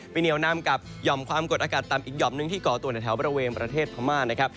เหนียวนำกับหย่อมความกดอากาศต่ำอีกหย่อมหนึ่งที่ก่อตัวในแถวบริเวณประเทศพม่านะครับ